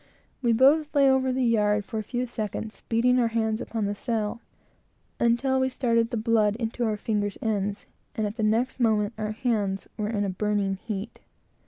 We both lay over the yard for a few seconds, beating our hands upon the sail, until we started the blood into our fingers' ends, and at the next moment our hands were in a burning heat.